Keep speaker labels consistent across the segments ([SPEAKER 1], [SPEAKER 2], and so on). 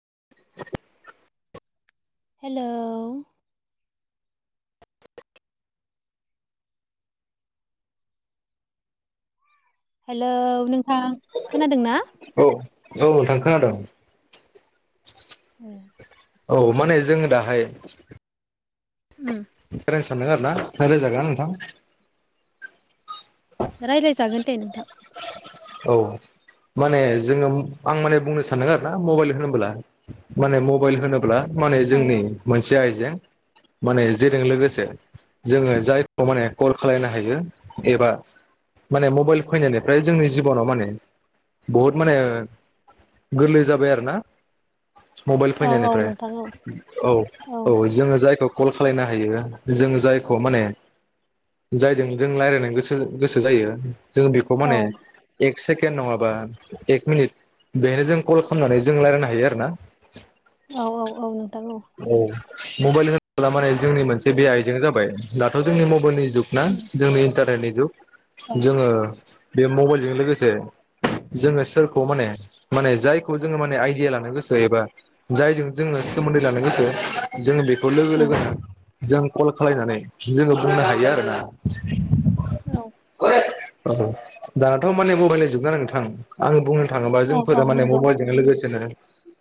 [SPEAKER 1] [inaudible]
[SPEAKER 2] Hello hello नों थां खोनादोंना?
[SPEAKER 1] औ औ नोंथां खोनादों ।
[SPEAKER 2] ए ।
[SPEAKER 1] औ माने जोङो दाहाय
[SPEAKER 2] उम
[SPEAKER 1] [unintelligible] सानदों आरोना रायज्लाय जागोन नोंथां
[SPEAKER 2] राय्लायजागोन दे नोंथां
[SPEAKER 1] औ माने जोङो आं माने बुंनो सान आरोना मबाइल होनोम्ला माने मबाइल होनोब ब्ला माने
[SPEAKER 2] औ
[SPEAKER 1] जोंनि मोनसे आइ जे माने जेजों लोगोसे जोङो जायखौ माने कल खालनो हायो एबा माने मबाइल फैनायनिफ्राय जोंनि जिबनाव माने बुहुत माने गोरलै जाबाय आरोना मबाइल
[SPEAKER 2] औ औ
[SPEAKER 1] फैनायनिफ्राय
[SPEAKER 2] नोंथां औ
[SPEAKER 1] औ औ जोङो जायखौ कल खालायनो हायो जों जायखौ माने जायजों जों रायज्लायनो गोसो गोसो जायो जों बेखौ
[SPEAKER 2] औ
[SPEAKER 1] माने एक सेकेणड नङाबा एक मिनिट बेहायनो जों कल खालामनानै जों रायजलायनो हायो आरोना।
[SPEAKER 2] औ औ औ नोंथां नंगौ।
[SPEAKER 1] मबाइल होन मानाय जोंनि मोनसे बे आइजें जाबाय दाथ' जोंनि मबाइलनि जुग ना
[SPEAKER 2] उम
[SPEAKER 1] जोंनि इन्टारने ज
[SPEAKER 2] औ
[SPEAKER 1] [inaudible] जोङो। बे मबाइल लोगोसे, जोङो सोरखौ माने माने जायखौ जोङो माने आइडिया लानो गोसो, एबा जायजों जोङो सोमोन्दै लानो गोसो जो बेखौ लोगो
[SPEAKER 2] औ
[SPEAKER 1] लोगो नो जों कल खालायनानै जोङो बुंनो हायो आरोना।
[SPEAKER 2] औ
[SPEAKER 1] अ [inaudible] औ। थ माने मबाइल जोबग नोंथां आङो बुंनो सानदों। थाङोबा
[SPEAKER 2] औ औ
[SPEAKER 1] जोंफोरा माने
[SPEAKER 2] नंगौ
[SPEAKER 1] मबाइलजों लोगोसेनो।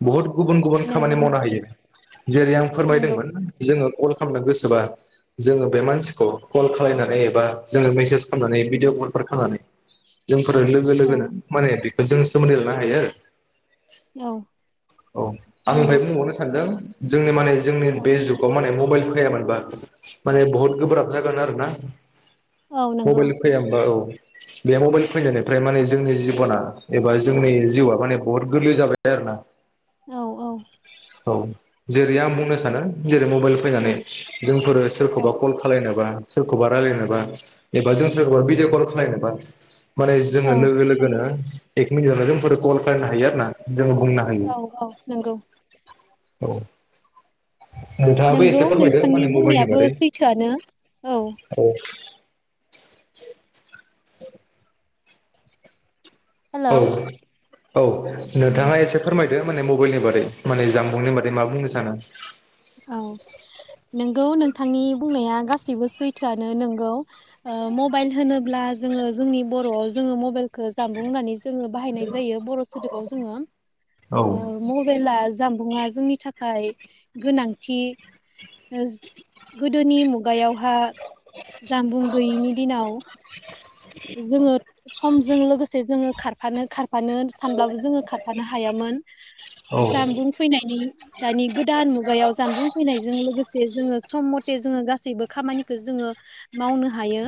[SPEAKER 1] बहत गुबुन गुबुन खामानि
[SPEAKER 2] नंगौ
[SPEAKER 1] मावनो
[SPEAKER 2] नंगौ
[SPEAKER 1] हायो, जेरै आं
[SPEAKER 2] नंगौ
[SPEAKER 1] फोरमायदोंमोन जोङो। कल खालामनो गोसोबा, जोङो बे मानसिखौ, कल खालायनानै एबा जोङो मेसेज खालामनानै भिडिअ कलफोर खालामनानै फोर लोगो
[SPEAKER 2] औ
[SPEAKER 1] लोगोनो माने बे जों सोमोन्दो लानो हायो।
[SPEAKER 2] औ
[SPEAKER 1] औ आं
[SPEAKER 2] नंगौ
[SPEAKER 1] फ्राय बुंबावनो सानदों। जोंनि माने। जोंनि
[SPEAKER 2] औ
[SPEAKER 1] बे जुगाव माने मबाइल फखैायामोनबा माने बहुत गोब्राब जागोन आरो ना?
[SPEAKER 2] औ नंगौ
[SPEAKER 1] मबाइल फै हबा औ। बे मबेल फैनायनिफ्राय माने जोंनि जिब'ना एबा जोंनि जिउआ माने बुहुत गोरलै जाबाय आरोना।
[SPEAKER 2] औ औ।
[SPEAKER 1] औ जेरै आं बुंनो सानो। बे मबाइल
[SPEAKER 2] औ
[SPEAKER 1] फैनानै जोंफोर सोरखौबा कल खालायनोबा। सोरखौबा रायलायनोबा एबा जों सोरखौबा भिडिअ कल खालायनोबा। माने जोङो
[SPEAKER 2] औ
[SPEAKER 1] लोगो लोगोनो। एक मिनिट जोंफोरो कल खालामनो हायो आरो ना। जोङो बुंनो हायो
[SPEAKER 2] औ औ नंगौ।
[SPEAKER 1] औ। नोंथाङाबो
[SPEAKER 2] नंगौ
[SPEAKER 1] एसे फोरमायदो
[SPEAKER 2] नोंथांनि
[SPEAKER 1] माने मबाइलनि
[SPEAKER 2] बुंनायाबो
[SPEAKER 1] बारै,
[SPEAKER 2] सैथोआनो
[SPEAKER 1] औ औ
[SPEAKER 2] हेलौ
[SPEAKER 1] औ। औ
[SPEAKER 2] उम
[SPEAKER 1] नोंथाङा एसे फोरमाय? दो माने मबाइलनि बारै माने जामबुंनि बारै मा बुंनो सानो?
[SPEAKER 2] औ नोंगौ नों थांनि बुंनाया गाससिबो सैथोआनो नोंगौ ओ मबाइल होनोब्ला जोङो जोंनि बर'आव जोङो मबाइलखो जानबुं होननानै ज जोङो बाहायनाय जायो बर' सोदोबाव जोङो
[SPEAKER 1] औ
[SPEAKER 2] ओ मबाइला जामबुंआ जोंनि थाखाय गोनांथि गोदोनि मुगायावहा जामबुं गैयिनि दिनाव जोङो समजों लोगोसे जोङो खारफानो खारफ फानो सानब्लाबो जोङो खारफानो हायामोन
[SPEAKER 1] औ
[SPEAKER 2] जानबुं फैनायनि दानि गोदान मुगायाव जानबुं फैनायजों लोगोसे जोङो सम मथे जोङो गासैबो खामानिखो जोङो मावनो हायो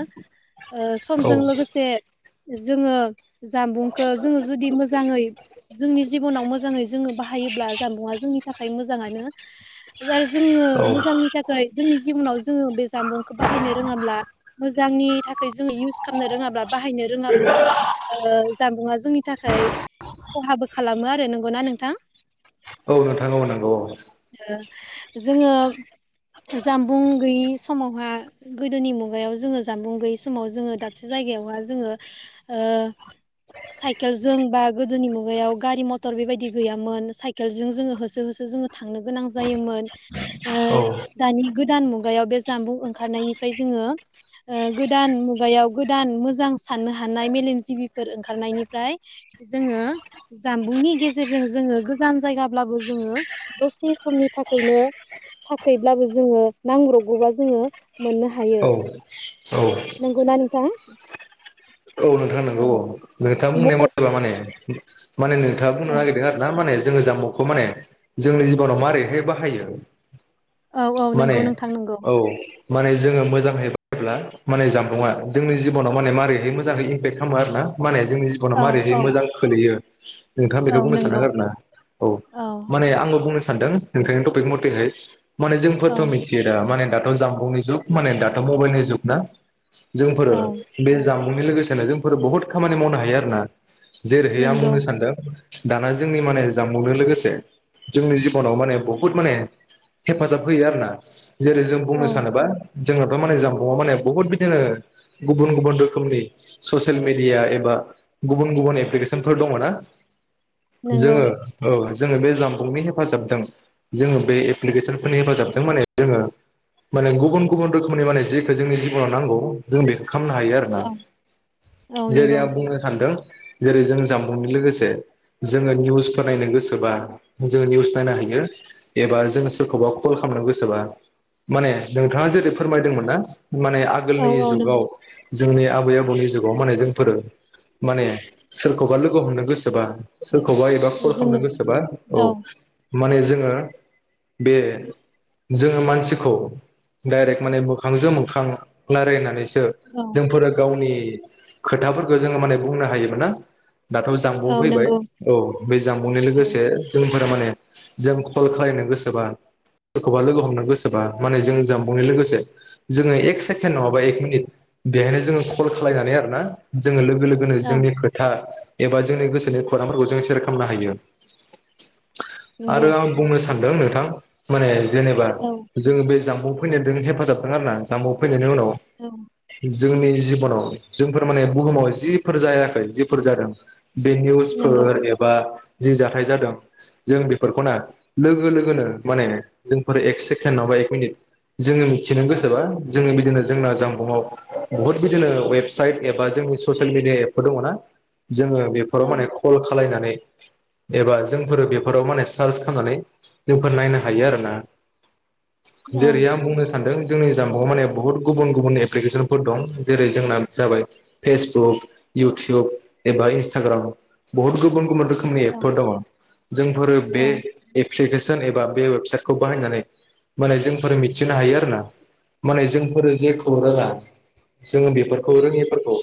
[SPEAKER 2] ओ सम
[SPEAKER 1] औ
[SPEAKER 2] जों लोगोसे जोङो जानबुंखौ जोङो जुदि मोजाङै जोंनि जिब'नाव मोजाङै जोङो बाहायोब्ला जानबुंआ जोंनि थाख खाय मोजांआनो। आरो जोङो
[SPEAKER 1] औ
[SPEAKER 2] मोजांनि थाखाय जोंनि जिब'नाव जोङो बे जामबुंखौ बाहायनो रोङाब्ला मोज जांनि थाखाय जों इउ खामनो रोङाब्ला बाहायनो रोङाब्ला ओ जानबुंआ जोंनि थाखाय खहाबो खालामो आरो नंगौना नों थां
[SPEAKER 1] औ नोंथां औ नंगौ औ
[SPEAKER 2] ओ जोङो जामबुं गैयि स समावहा गोदोनि मुगायाव जोङो जामबुं गैयै समाव जोङो दाब से जायगायावहा जोङो ओ साइकेलजों बा गोदोनि मुगायाव गारि मथर बेबायदि गैयामोन साइकेलजों जोङो होसो होसो जोङो थांनो गोनां जायोमोन ओ
[SPEAKER 1] औ
[SPEAKER 2] दानि गोद गोदान मुगायाव बे जामबुं ओंखारनायनिफ्राय जोङो गोदान मुगायाव गोदान मोजां साननो हानाय मेलेमजिबिफोर ओंखारनायनिफ्राय जोङो जानबुंनि गेजेरजों जोङो गोजान जायगाब्लाबो जोङो दसे समनि थाखायनो थाखैब्लाबो जोङो नांब्रबगौबा जोङो मोननो हायो
[SPEAKER 1] औ औ
[SPEAKER 2] नंगौना? उम।
[SPEAKER 1] औ नोंथा नंगौ औ नोंथाङा बुंनाया मथेबा माने माने खोथा बुंनो
[SPEAKER 2] औ
[SPEAKER 1] नागिरदों आरो ना। माने जोङो जानबुंखौ माने जोंनि जिबनाव मारैहाय बाहायो?
[SPEAKER 2] औ औ
[SPEAKER 1] माने
[SPEAKER 2] नंगौ नोंथां नंगौ
[SPEAKER 1] औ माने जोङो मोजांहै ब्ला माने जानबुङा जोंनि जिबनाव माने मारैहाय मोन माजांहै इमपेक्त खालामो आरो न जोंनि जिब'नाव
[SPEAKER 2] औ
[SPEAKER 1] मारैहाय
[SPEAKER 2] औ
[SPEAKER 1] मोजां खोलैयो [inaudible] नोंथाङा
[SPEAKER 2] औ
[SPEAKER 1] बेखौ बुंनो सानदों
[SPEAKER 2] नंगौ
[SPEAKER 1] आरो ना औ माने आंबो बुंनो सानदों ओंखायनो तपिक मतेहै माने
[SPEAKER 2] औ
[SPEAKER 1] जोंफोरथ' मिथियो दा माने दा जानबुंनि जुग माने दाथ' मबाइलनि जुग ना जोंफोरो
[SPEAKER 2] औ
[SPEAKER 1] बे जाम बुंनि लोगोसेनो जोंफोर बुहुत खामानि मावनो हायो आरोना। जेरै आं
[SPEAKER 2] नंगौ
[SPEAKER 1] बुंनो सानदों दाना जोंनि माने जामबुंनो लोगोसे जोंनि जिबनाव माने बहुद माने हेफाजाब होयो आरोना। जेरै जों बुंनो
[SPEAKER 2] औ
[SPEAKER 1] सानोबा जोंनाथ' माने जामबुंआ माने बुहुत बिदिनो गुबुन गुबुन रो खोमनि ससेल मिडिया एबा गुबुन गुबुन एप्लिकेसनफोर दङ ना।
[SPEAKER 2] नंगौ
[SPEAKER 1] जोङो औ जोङो बे जामबुंनि हेफाजाबजों जोङो बे एप्लिकेसनफोरनि हेफाजाबजों माने जोङो माने गुबुन गुबुन रोखोमनि माने जेखौ जोंनि जिबनाव नांगौ जों बेखौ खामनो हायो आरो ना।
[SPEAKER 2] औ औ
[SPEAKER 1] जेरै
[SPEAKER 2] नंगौ
[SPEAKER 1] आं बुंनो सानदों जेरै जों जामबुंनि लोगोसे जोङो निउसफोर नायनो गोसोबा जोंङो निउस नायनो हायो। एबा जों सोरखौबा कल खालामनो गोसोबा माने नोंथाङा जेरै फोरमायदोंमोन ना माने
[SPEAKER 2] औ
[SPEAKER 1] आगोलनि
[SPEAKER 2] औ नंगौ
[SPEAKER 1] जुगाव जोंनि आब आबै आबौनि जुगाव माने जोंफोरो माने सोरखौबा लोग हमनो गोसोबा सोरखौबा एबा कल खालामनो
[SPEAKER 2] जोङो
[SPEAKER 1] गोसोबा औ। माने जोङो बे जोङो मानसिखौ डाइरेक्ट माने मोखांजों मोखां रायलायनानैस सो
[SPEAKER 2] औ
[SPEAKER 1] जोंफोरो गावनि खोथाफोरखौ जोङो माने बुंनो हायोबो ना? दाथ' जामबुं
[SPEAKER 2] औ
[SPEAKER 1] फैबाय
[SPEAKER 2] नंगौ
[SPEAKER 1] औ बे जामबुंनि
[SPEAKER 2] औ नंगौ औ
[SPEAKER 1] लोगोसे जों फोरा माने जों कल खालायनो गोसोबा सोरखौबा लोगो हमनो गोसोबा माने जों जानबुंनि लोगोसे जोङो एक सेकेण्ड नङाबा एक मिनिट बेहाय जों कल खालायनानै आरो ना जोङो लोगो लोगोनो जोंनि खोथा एबा जोंनि गोसोनि खौरांफोरखौ जों सेयार खालामनो हायो। आरो आं बुंनो सा सानदों नोंथां माने जेनेबा जों बे जामबुं फैनायदों हेफाबदों आरो न जामबुं फैनायनि उनाव
[SPEAKER 2] औ।
[SPEAKER 1] जोंनि जि गुबाव जोंफोर माने बुहुमाव जिफोर जायाखै जिफोर जादों बे
[SPEAKER 2] नंगौ
[SPEAKER 1] निउसफोर एबा जि जाथाय जादों जों बेफोरखौना लोगो लोगोनो माने जोंफोर एक सेकेणड नङाबा एक मिनिट जोङो मिथिनो गोसोबा जोङो बिदिनो जोंना जामबुंआव बहुद दिनो वेबसाइट एबा जोंनि ससियेल मिडिया एपफोर दङ ना जोङो
[SPEAKER 2] औ
[SPEAKER 1] बेफोराव माने कल खालायनानै एबा जोंफोरो बेफोराव माने सार्च खालामनानै जोंफोर नायनो हायो आरोना
[SPEAKER 2] औ
[SPEAKER 1] जेरै आं बुंनो सानदों जोंनि जाम्बावआव माने बुहुत गुबुन गुबुन एप्लिकेसनफोर दं। जेरै जोंना जाबाय फेसबुक इउटुब एबा इनसटाग्राम बहुत गुबुन गुबुन रोखोमनि
[SPEAKER 2] औ
[SPEAKER 1] एपफोर दङ जोंफोरो बे
[SPEAKER 2] औ
[SPEAKER 1] एप्लिकेसन एप बे वेबसाइ खौ बाहायनानै माने जों मिथिनो हायो आरोना माने जोंफोर जेखौ रोङा जोङो बेफोरखौ रोङैफोरखौ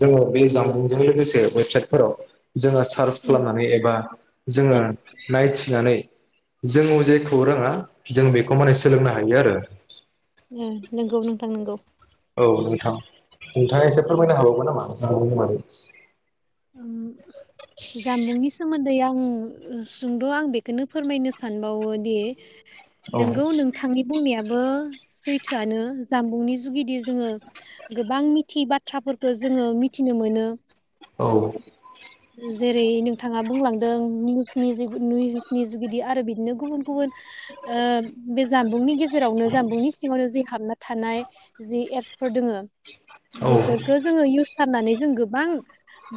[SPEAKER 1] जोङो बे जामबुंजों लोगोसे वेबसाइटफोराव जोङो सार्च
[SPEAKER 2] उम
[SPEAKER 1] खालामनानै एबा जोङो
[SPEAKER 2] औ
[SPEAKER 1] नाइ होननानै जों जेखौ रोङा जों बेखौ माने सोलोंनो हायो आरो
[SPEAKER 2] नोंगौ नोंथां नोंगौ।
[SPEAKER 1] औ नोंथां। नोंथाङा एसे
[SPEAKER 2] औ
[SPEAKER 1] फोरमायनो हाबावगोन नामा? औ हायो।
[SPEAKER 2] [inaudible] जामबुंनि सोमो न्दै आं सुंद' आं बेखौनो फोरमायनो सानबावोदि
[SPEAKER 1] औ
[SPEAKER 2] नोंगौ नोंथांनि बुंनायाबो सैथोआनो जामबुंनि जुगिदि जोङो गोबां मिथियि बाथ्राफोरखौ जोङो मिथिनो मोनो।
[SPEAKER 1] औ।
[SPEAKER 2] जेरै नोंथाङा बुंलांदों निउसनि जुगिदि आरो बिदिनो गुबुन गुबुन बे जामबुंनि गेजेरावनो जामबुंनि सिङावनो जि हाबनानै थानाय जि एपफोर दोङो
[SPEAKER 1] औ
[SPEAKER 2] बेफोरखौ जोङो इउस खालामनानै जों गोबां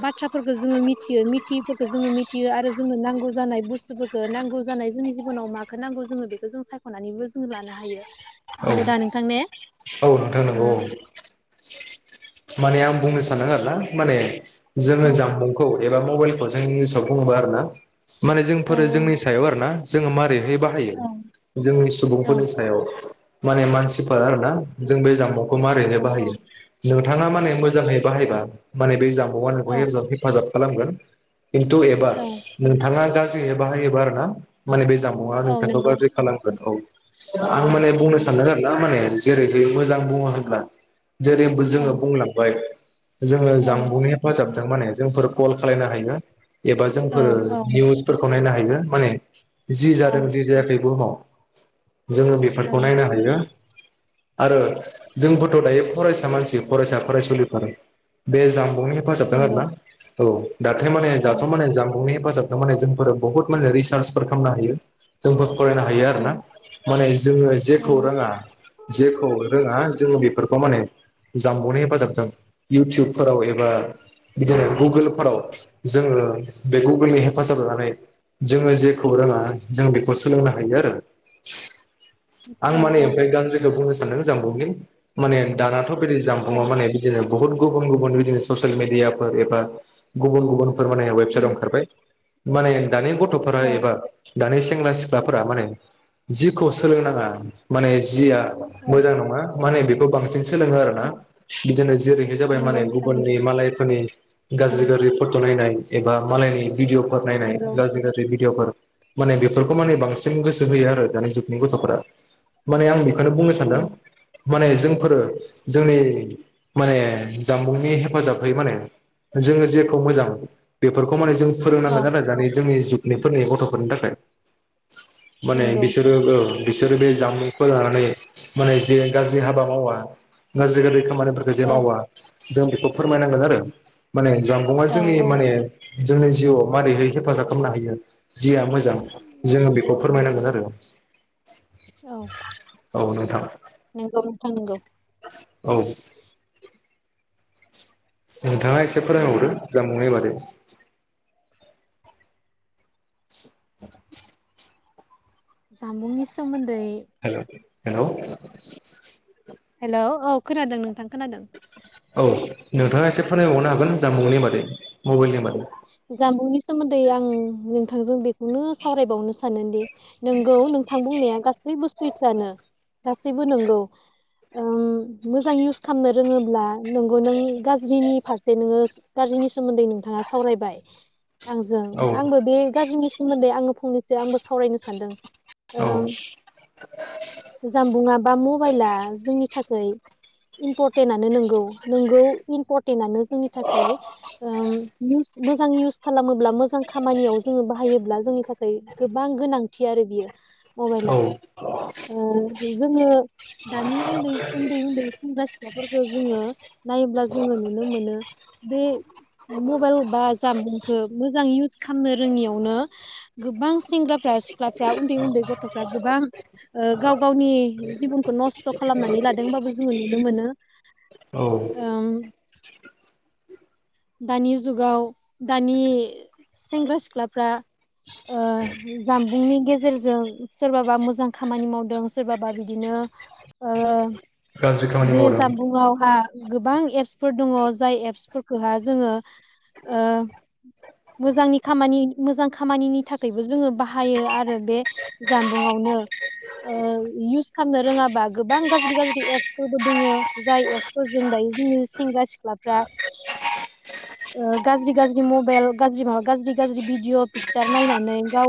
[SPEAKER 2] बाथ्राफोरखौ जोङो मिथियो मिथियिफोरखौ जोङो मिथियो आरो जोंनो नांगौ जानाय बुस्थुफोरखौ नांगौ जानाय जोंनि जिब'नाव माखौ नांगौ जोङो बेखौ जों सायख'नानैबो जों लानो हायो
[SPEAKER 1] औ
[SPEAKER 2] नोंगौ दा नोंथां ने
[SPEAKER 1] औ नोंथां नंगौ औ माने आं बुंनो सानदों आरो ना माने जोङो
[SPEAKER 2] ओ औ
[SPEAKER 1] जामबुंखौ एबा मबाइलखौ जों निउसाव बुोङोबा आरो ना माने
[SPEAKER 2] औ
[SPEAKER 1] जोंफोरो जोंनि सायाव आरो ना जोङो मारै रै बाहायो
[SPEAKER 2] औ
[SPEAKER 1] जोंनि
[SPEAKER 2] औ
[SPEAKER 1] सुबुंफोरनि सायाव माने मानसिफोर आरो ना जों बे जाम्बुं खौ माबारै बाहायो नोंथाङा माने मोजाङै बा हायबा माने बे जाम [unintelligible]
[SPEAKER 2] औ
[SPEAKER 1] हेफाजाब खालामगोन खिन्थु एबा
[SPEAKER 2] औ
[SPEAKER 1] नोंथाङा [unintelligible] बाहायायो बा आरो ना माने बे जामुंआ
[SPEAKER 2] औ
[SPEAKER 1] नोंथांखौ
[SPEAKER 2] नंगौ
[SPEAKER 1] गाज्रि खालामगोन औ आं माने बुंनो
[SPEAKER 2] औ
[SPEAKER 1] सानदों आरोना माने जेरैहाय मोजां बुङो होनब्ला जेरै
[SPEAKER 2] औ
[SPEAKER 1] जोंङो बुंलांबाय। जोंङो
[SPEAKER 2] औ
[SPEAKER 1] जानबुंनि हेफाजाबाव। माने जों कल खालामनो हायो। एबा जोंफोरो
[SPEAKER 2] औ
[SPEAKER 1] निउसफोरखौ। बानायनो हायो माने। जि
[SPEAKER 2] औ
[SPEAKER 1] जादों जि जायाखै बुहुमाव। जोङो
[SPEAKER 2] औ
[SPEAKER 1] बेफोरखौ नायनो हायो। आरो जोंबोथ' दायो फरायसा मानसि। फरायसा फरायसुलिफोर बे जाम जानबुंनि हेफाजाबजोंनो हरनो
[SPEAKER 2] नंगौ
[SPEAKER 1] हायो आरो ना। औ। दाथाय माने
[SPEAKER 2] औ
[SPEAKER 1] दाथ' माने जानबुंनि हेफाजाब थारमाने जोंफोर बुहुत माने रिसार्चफोर खालामनो हायो जोंफोर फरायनो हायो
[SPEAKER 2] औ
[SPEAKER 1] आरोना माने जोंङो
[SPEAKER 2] औ
[SPEAKER 1] जेखौ रोङा जेखौ रोङा जोङो बेफोरखौ बेफोरखौ माने जानबुंनि हेफाजाबजों इउटुबफोराव एबा बिदिनो गुगोलफोराव जोङो बे गुगोलनि हेफाजाब लानानै जोङो जेखौ रोङा जों बेखौ सोलोंनो हायो आरो। आं
[SPEAKER 2] औ
[SPEAKER 1] माने ओमफ्राय गाज्रिखौ बुंनोसै। [unintelligible] माने दानाथ' बिदिनो
[SPEAKER 2] औ
[SPEAKER 1] जानबुंआ माने बिदिनो बुहुत गुबुन गुबुन बिदिनो ससियेल मिडियाफोर एबा गुबुन गुबुन फोरमायनाया वेबसाइट
[SPEAKER 2] उम
[SPEAKER 1] आव ओंखारबाय। माने दानि गथ'फोरा
[SPEAKER 2] औ
[SPEAKER 1] एबा दानि सेंग्रा- सिख्लाफोरा माने जिखौ सोलोंनाङा माने जिया
[SPEAKER 2] औ
[SPEAKER 1] मोजां नङा। माने बेखौ बांसिन सोलोङो।
[SPEAKER 2] औ
[SPEAKER 1] [unintelligible] बिदिनो जेरैहाय जाबाय
[SPEAKER 2] नंगौ
[SPEAKER 1] माने
[SPEAKER 2] नोंथां
[SPEAKER 1] गुबुननि
[SPEAKER 2] नंगौ
[SPEAKER 1] मालायफोरनि
[SPEAKER 2] औ
[SPEAKER 1] गाज्रि गाज्रि फट नायनाय। एबा मालयनि भिडिअफोर नायनाय
[SPEAKER 2] नंगौ
[SPEAKER 1] गाज्रि गाज्रि भिडिअफोर माने बेफोरखौ माने बांसिन गोसो होयो आरो दानि जुगनि गथफोरा माने आं बेखौनो बुंनो सानदों।
[SPEAKER 2] उम
[SPEAKER 1] माने जोंफोरो जोंनि माने जानबुंनि हेफाजाबै माने जोङो जेखौ मोजां बेफोरखौ [unintelligible] माने जों
[SPEAKER 2] औ
[SPEAKER 1] फोरोंनांगोन आरो जोंनि [unintelligible] बेफोरनि गथ'फोरनि थाखाय माने
[SPEAKER 2] नंगौ
[SPEAKER 1] बिसोरो ओ बिसोरो बे जामुंखौ लानानै माने जे गाज्रि हाबा मावा। [unintelligible] खामानिफोरखौ जे
[SPEAKER 2] औ
[SPEAKER 1] मावा जों बेखौ फोरमायनांगोन आरो माने जामबुंआ
[SPEAKER 2] औ
[SPEAKER 1] जोंनि
[SPEAKER 2] औ
[SPEAKER 1] माने जोंनि जिउआव माबोरै हेफाजाब खालामनो हायो जिया मोजां जोङो बेखौ फोरमायनांगोन आरो
[SPEAKER 2] औ
[SPEAKER 1] औ नोंथां।
[SPEAKER 2] नोंगौ नोंथां नोंगौ।
[SPEAKER 1] औ नोंथाङा एसे फोरमायहरो
[SPEAKER 2] ओ
[SPEAKER 1] जामबुंनि बागै [unintelligible]
[SPEAKER 2] जामबुंनि सोमो
[SPEAKER 1] हेलौ हेलौ
[SPEAKER 2] हेलौ औ खोनादों नोंथां खोनादों।
[SPEAKER 1] औ
[SPEAKER 2] ओ,
[SPEAKER 1] नोंथाङा एसे फोरमायबावनो हागोन जानबुंनि बागै। मबाइल एबा
[SPEAKER 2] जामबुंनि सोमो न्दै आं नोंथांजों बेखौनो सावरायबावनो सानोदि नोंगौ नोंथां बुंनाया गासैबो सैथोआनो। गासैबो नोंगौ ओम मोजां इउस खालामनो रोङोब्ला नोंगौ नों गाज्रिनि फारसे नोङो गाज्रिनि सोमोन्दै नोंथाङा? सावरायबाय। आंजों
[SPEAKER 1] औ
[SPEAKER 2] आंबो बे गाज्रिनि सोमोन्दै आङो फंनैसो आंबो सावरायनो सानदों।
[SPEAKER 1] औ
[SPEAKER 2] ओं जामबुंङा बा मबाइला जोंनि था खै इमपरटेन्टानो नोंगौ नोंगौ इमपरटेन्टानो जोंनि थाखाय ओ इउस मोजां इउस खालामो ब्ला मोजां खामानियाव जोङो बाहायोब्ला जोंनि थाखाय गोबां गोनांथि आरो बियो। मबाइला
[SPEAKER 1] औ
[SPEAKER 2] जोङो दानि उन्दै उन्दै उन्दै सेंग्रा सिख्लाफोरखौ जोङो नायोब्ला जोङो नुनो मोनो बे मबाइल बा जामबुंखौ मोजांङै इउस खालामनो रोङियावनो गोबां सेंग्रारा सिख्लाफ्रा उन्दै उन्दै गथ'फ्रा गोबां ओ गाव गावनि जिबनखौ नस्त' खालामनानै लादोंबाबो जोङो नुनो मोनो
[SPEAKER 1] औ
[SPEAKER 2] ओम दानि जुगाव दानि सेंग्रा सिख्लाफ्रा जामबुंनि गेजेरजों सोरबाबा मोजां खामानि मावदों सोरबाबा बिदिनो ओ
[SPEAKER 1] गाज्रि खामानि
[SPEAKER 2] बे
[SPEAKER 1] मावदों
[SPEAKER 2] जामबुङावहा गोबां एप्सफोर दङ जाय एप्सफोर खोहा जोङो ओ मोजांनि खामानि मोजां खामानिनि थाखायबो जोङो बाहायो आरो बे जानबुंआवनो ओ इउस खालामनो रोङाबा गोबां गाज्रि गाज्रि एप्सफोरबो दङ जाय एप्सफोरजों दायो जोंनि सेंग्रा सिख्लाफ्रा ओ गाज्रि गाज्रि मबाइल गाज्रि माबा गाज्रि गाज्रि भिडिय' पिकसार नायनानै गाव